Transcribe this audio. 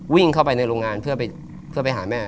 วิ่งเข้าไปในโรงงานเพื่อไปหาแม่